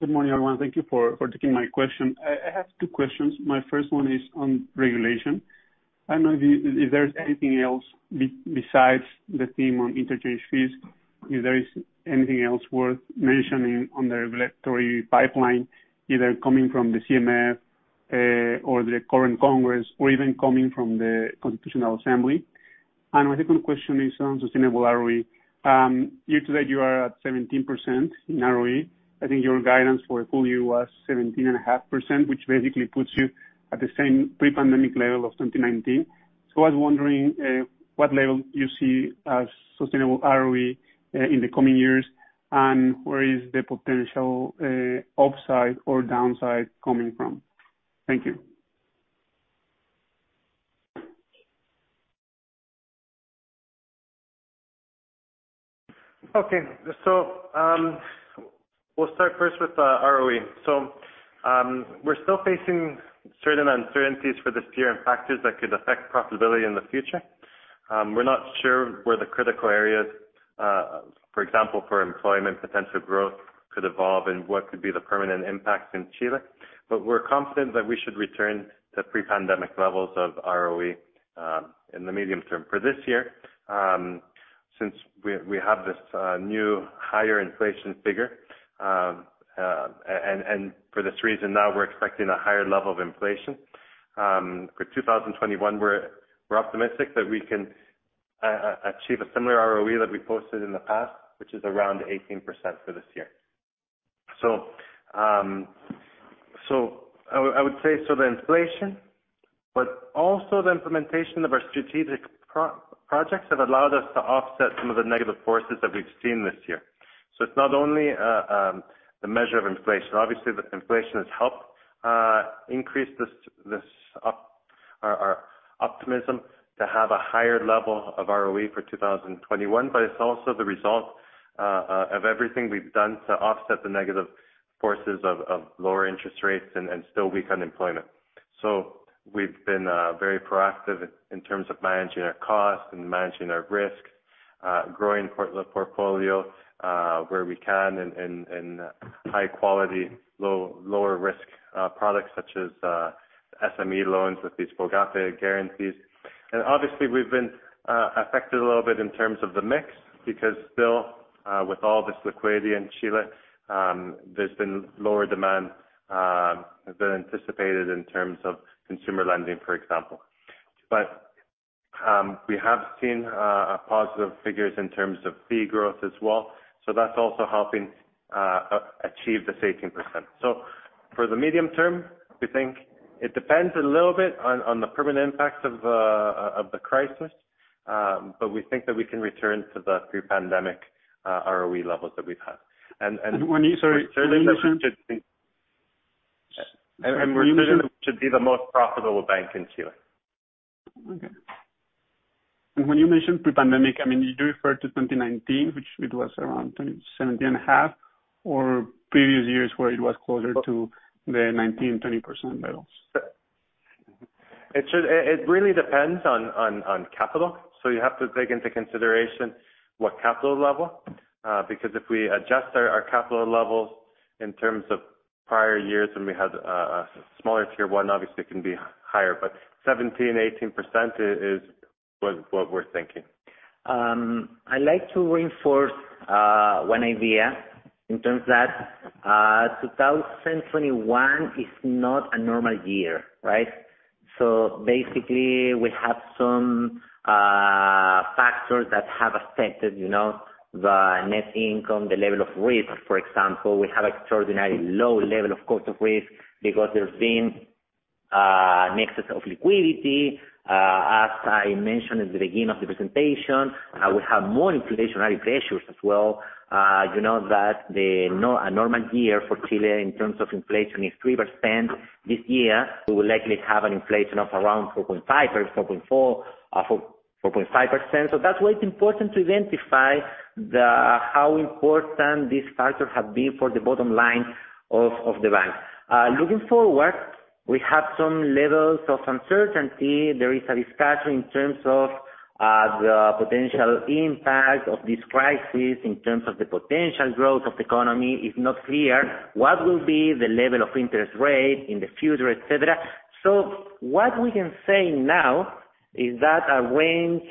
Good morning, everyone. Thank you for taking my question. I have two questions. My first one is on regulation. I don't know if there's anything else besides the theme on interchange fees. If there is anything else worth mentioning on the regulatory pipeline, either coming from the CMF, or the current Congress, or even coming from the Constitutional Assembly. My second question is on sustainable ROE. Year-to-date, you are at 17% in ROE. I think your guidance for full year was 17.5%, which basically puts you at the same pre-pandemic level of 2019. I was wondering what level you see as sustainable ROE in the coming years, and where is the potential upside or downside coming from? Thank you. Okay. We'll start first with ROE. We're still facing certain uncertainties for this year and factors that could affect profitability in the future. We're not sure where the critical areas, for example, for employment potential growth could evolve and what could be the permanent impact in Chile. We're confident that we should return to pre-pandemic levels of ROE in the medium term. For this year, since we have this new higher inflation figure, and for this reason now we're expecting a higher level of inflation. For 2021, we're optimistic that we can achieve a similar ROE that we posted in the past, which is around 18% for this year. I would say the inflation, but also the implementation of our strategic projects have allowed us to offset some of the negative forces that we've seen this year. It's not only the measure of inflation. The inflation has helped increase our optimism to have a higher level of ROE for 2021. It's also the result of everything we've done to offset the negative forces of lower interest rates and still weak unemployment. We've been very proactive in terms of managing our costs and managing our risk, growing the portfolio where we can in high quality, lower risk products such as SME loans with these FOGAPE guarantees. We've been affected a little bit in terms of the mix, because still, with all this liquidity in Chile, there's been lower demand than anticipated in terms of consumer lending, for example. We have seen positive figures in terms of fee growth as well. That's also helping achieve this 18%. For the medium term, we think it depends a little bit on the permanent impacts of the crisis. We think that we can return to the pre-pandemic ROE levels that we've had. When you, sorry. We're certain that we should be the most profitable bank in Chile. Okay. When you mention pre-pandemic, do you refer to 2019, which it was around 17.5%, or previous years where it was closer to the 19%-20% levels? It really depends on capital. You have to take into consideration what capital level, because if we adjust our capital levels in terms of prior years when we had a smaller Tier 1, obviously it can be higher, but 17%-18% is what we're thinking. I'd like to reinforce one idea in terms that 2021 is not a normal year, right? Basically, we have some factors that have affected the net income, the level of risk. For example, we have extraordinary low level of cost of risk because there's been an excess of liquidity. As I mentioned at the beginning of the presentation, we have more inflationary pressures as well. You know that a normal year for Chile in terms of inflation is 3%. This year, we will likely have an inflation of around 4.5% or 4.4%-4.5%. That's why it's important to identify how important these factors have been for the bottom line of the bank. Looking forward, we have some levels of uncertainty. There is a discussion in terms of the potential impact of this crisis, in terms of the potential growth of the economy is not clear. What will be the level of interest rate in the future, et cetera? What we can say now is that a range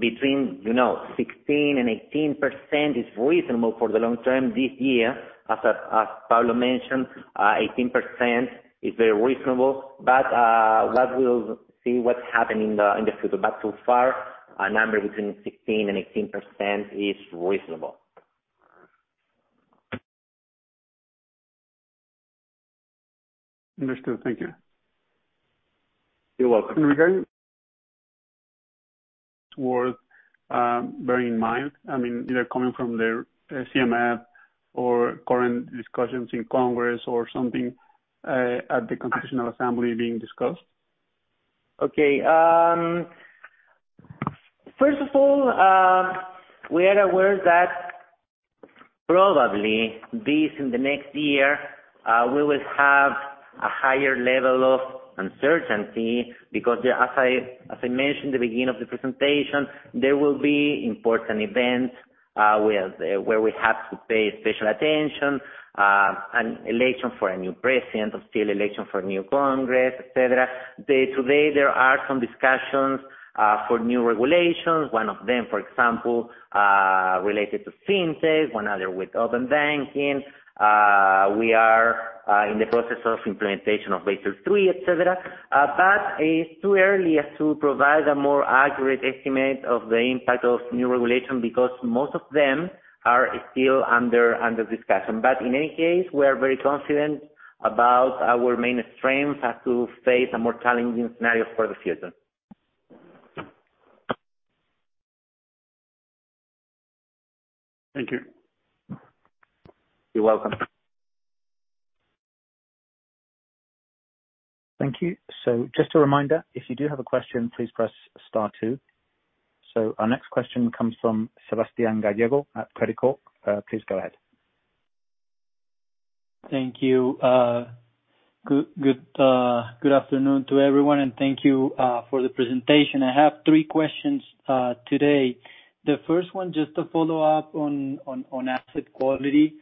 between 16% and 18% is reasonable for the long term this year. As Pablo mentioned, 18% is very reasonable. We'll see what happens in the future. So far, a number between 16% and 18% is reasonable. Understood. Thank you. You're welcome. towards bearing in mind, either coming from the CMF or current discussions in Congress or something, at the Constitutional Assembly being discussed? Okay. First of all, we are aware that probably this in the next year, we will have a higher level of uncertainty because, as I mentioned at the beginning of the presentation, there will be important events where we have to pay special attention, an election for a new president, still election for new Congress, et cetera. Today, there are some discussions for new regulations. One of them, for example, related to FinTech, one other with open banking. We are in the process of implementation of Basel III, et cetera. It's too early as to provide a more accurate estimate of the impact of new regulation because most of them are still under discussion. In any case, we are very confident about our main strength as to face a more challenging scenario for the future. Thank you. You're welcome. Thank you. Just a reminder, if you do have a question, please press star two. Our next question comes from Sebastian Gallego at Credicorp. Please go ahead. Thank you. Good afternoon to everyone, thank you for the presentation. I have three questions today. The first one, just to follow up on asset quality.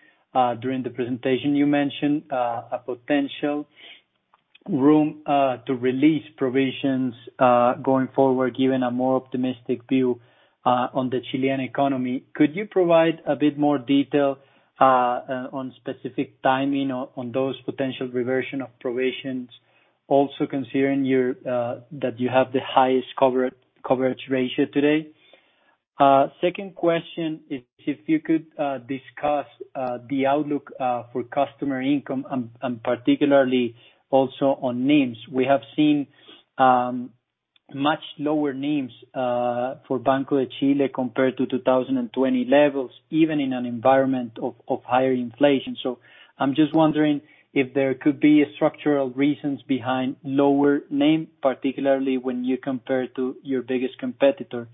During the presentation, you mentioned a potential room to release provisions, going forward, given a more optimistic view on the Chilean economy. Could you provide a bit more detail on specific timing on those potential reversion of provisions? Also considering that you have the highest coverage ratio today. Second question is if you could discuss the outlook for customer income and particularly also on NIMs. We have seen much lower NIMs for Banco de Chile compared to 2020 levels, even in an environment of higher inflation. I'm just wondering if there could be structural reasons behind lower NIM, particularly when you compare to your biggest competitor.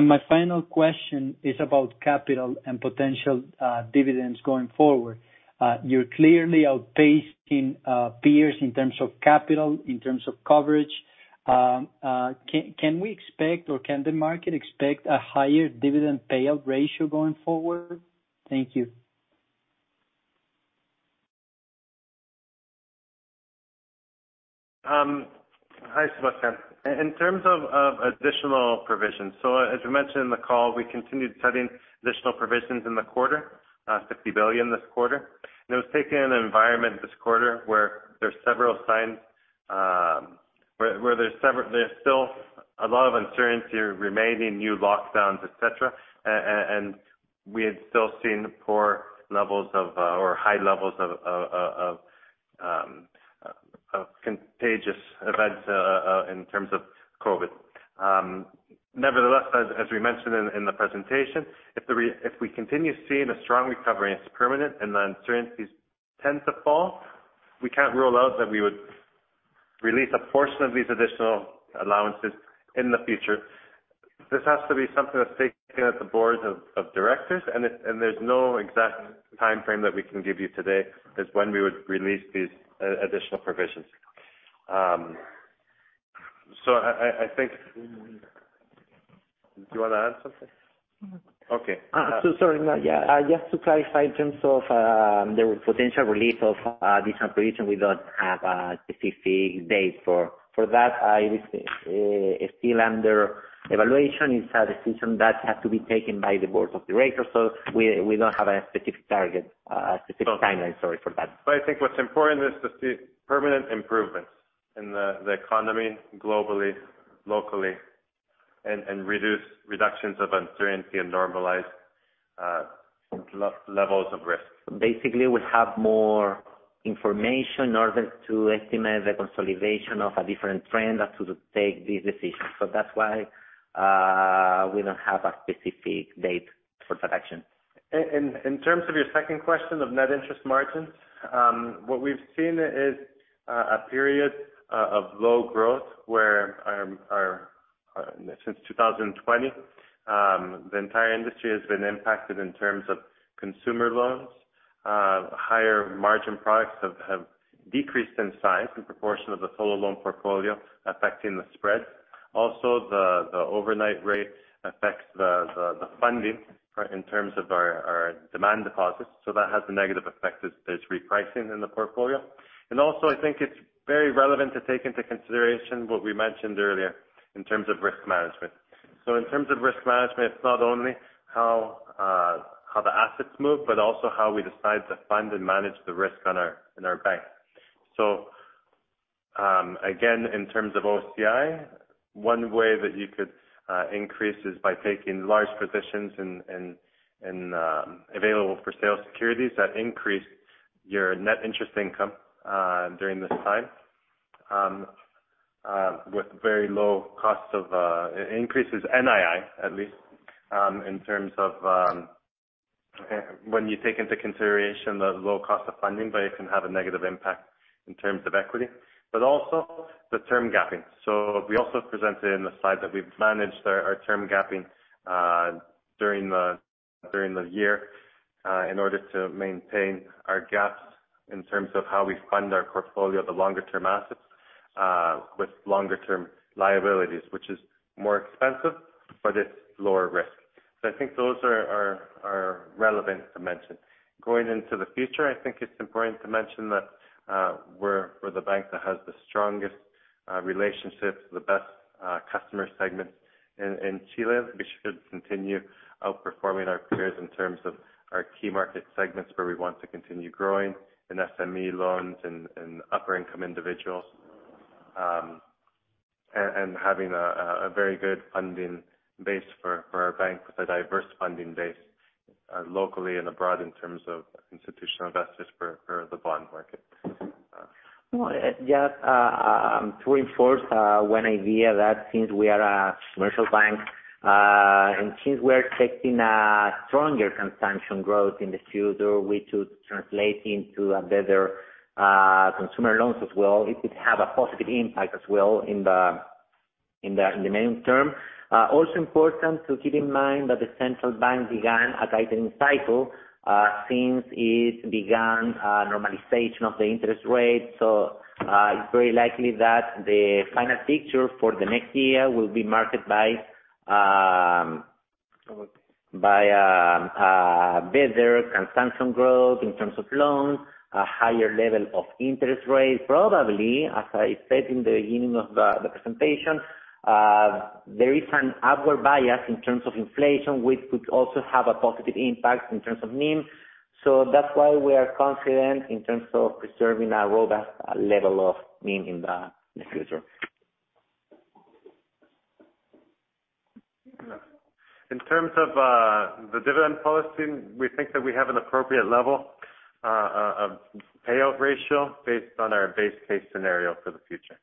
My final question is about capital and potential dividends going forward. You're clearly outpacing peers in terms of capital, in terms of coverage. Can we expect or can the market expect a higher dividend payout ratio going forward? Thank you. Hi, Sebastian. In terms of additional provisions, as we mentioned in the call, we continued setting additional provisions in the quarter, 50 billion this quarter. It was taken in an environment this quarter where there's still a lot of uncertainty remaining, new lockdowns, et cetera, and we had still seen high levels of contagious events in terms of COVID. Nevertheless, as we mentioned in the presentation, if we continue seeing a strong recovery that's permanent and the uncertainties tend to fall, we can't rule out that we would release a portion of these additional allowances in the future. This has to be something that's taken at the board of directors. There's no exact timeframe that we can give you today as when we would release these additional provisions. I think. Do you want to add something? Okay. Sorry, yeah. Just to clarify in terms of the potential release of additional provision, we don't have a specific date for that. It is still under evaluation. It's a decision that has to be taken by the board of directors. We don't have a specific timeline, sorry for that. I think what's important is to see permanent improvements in the economy globally, locally, and reductions of uncertainty and normalized levels of risk. Basically, we have more information in order to estimate the consolidation of a different trend as to take these decisions. That's why we don't have a specific date for that action. In terms of your second question of net interest margins, what we've seen is a period of low growth where since 2020, the entire industry has been impacted in terms of consumer loans. Higher margin products have decreased in size and proportion of the total loan portfolio, affecting the spread. Also, the overnight rate affects the funding in terms of our demand deposits. That has a negative effect as there's repricing in the portfolio. Also, I think it's very relevant to take into consideration what we mentioned earlier in terms of risk management. In terms of risk management, it's not only how the assets move, but also how we decide to fund and manage the risk in our bank. Again, in terms of OCI, one way that you could increase is by taking large positions in available-for-sale securities that increase your net interest income during this time with very low cost of increases NII, at least, in terms of when you take into consideration the low cost of funding, but it can have a negative impact in terms of equity. Also the term gapping. We also presented in the slide that we've managed our term gapping during the year. In order to maintain our gaps in terms of how we fund our portfolio, the longer-term assets with longer-term liabilities, which is more expensive, but it's lower risk. I think those are relevant to mention. Going into the future, I think it's important to mention that we're the bank that has the strongest relationships, the best customer segments in Chile. We should continue outperforming our peers in terms of our key market segments where we want to continue growing in SME loans and upper-income individuals, and having a very good funding base for our bank with a diverse funding base locally and abroad in terms of institutional investors for the bond market. Just to reinforce one idea that since we are a commercial bank, and since we are expecting a stronger consumption growth in the future, which would translate into better consumer loans as well, it could have a positive impact as well in the medium term. Also important to keep in mind that the central bank began a tightening cycle since it began normalization of the interest rate. It's very likely that the final picture for the next year will be marked by better consumption growth in terms of loans, a higher level of interest rates. Probably, as I said in the beginning of the presentation, there is an upward bias in terms of inflation, which could also have a positive impact in terms of NIM. That's why we are confident in terms of preserving a robust level of NIM in the future. In terms of the dividend policy, we think that we have an appropriate level of payout ratio based on our base case scenario for the future.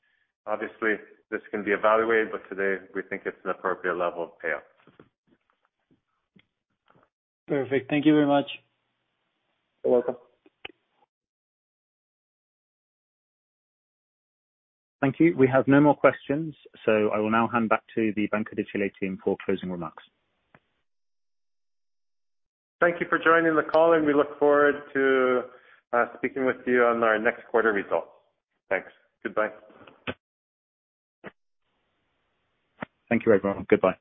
Obviously, this can be evaluated, but today we think it's an appropriate level of payout. Perfect. Thank you very much. You're welcome. Thank you. We have no more questions, so I will now hand back to the Banco de Chile team for closing remarks. Thank you for joining the call, and we look forward to speaking with you on our next quarter results. Thanks. Goodbye. Thank you, everyone. Goodbye.